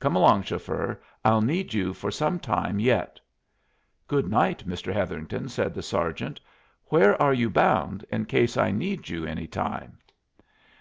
Come along, chauffeur, I'll need you for some time yet." "Good night, Mr. Hetherington," said the sergeant. "Where are you bound in case I need you any time?"